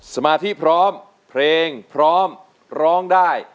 สมาธิพร้อมเพลงพร้อมร้องได้